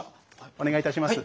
お願いいたします。